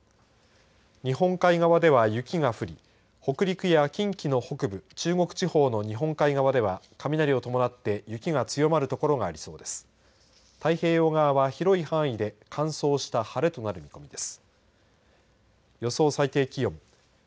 日本海側では雪が降り北陸や近畿の北部中国地方の日本海側では雷を伴って雪が強まる所がありそうです。